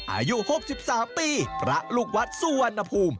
อายุ๖๓ปีพระลูกวัดสุวรรณภูมิ